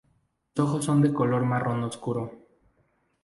Los ojos son de color marrón oscuro.